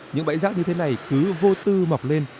những bãi rác như thế này cứ vô tư mọc lên